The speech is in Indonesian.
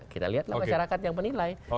kita lihatlah masyarakat yang menilai